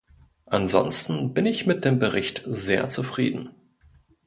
Ansonsten bin ich mit dem Bericht sehr zufrieden.